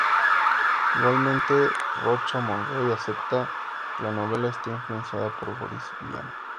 Igualmente, Rocha Monroy acepta que la novela está influenciada por Boris Vian.